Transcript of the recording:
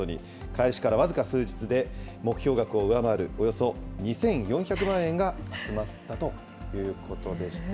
開始から僅か数日で目標額を上回るおよそ２４００万円が集まったということでして。